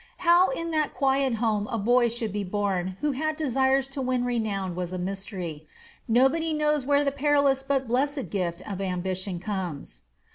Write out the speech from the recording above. How in that quiet home a boy should be born who had desires to win renown was a mystery. Nobody knows whence the perilous but blessed gift of ambition comes.